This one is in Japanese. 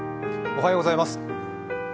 おはようございます。